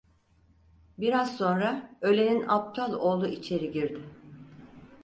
Biraz sonra ölenin aptal oğlu içeri girdi.